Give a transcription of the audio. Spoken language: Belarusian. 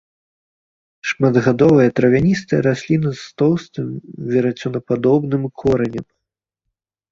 Шматгадовая травяністая расліна, з тоўстым верацёнападобным коранем.